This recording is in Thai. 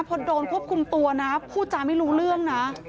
พอโดนควบคุมตัวนะพูดจาไม่รู้เรื่องนะ